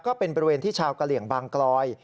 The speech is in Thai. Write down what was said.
ก็เป็นบริเวณที่ชาวกะเหลี่ยงบางกลอย